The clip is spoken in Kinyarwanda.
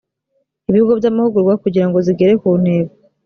ibigo by amahugurwa kugira ngo zigere ku ntego